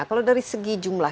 kalau dari segi jumlah